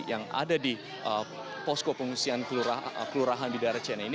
yang ada di posko pengungsian kelurahan bidara cina ini